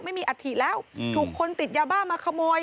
ไม่มีอัฐิแล้วถูกคนติดยาบ้ามาขโมย